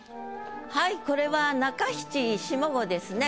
はいこれは中七下五ですね。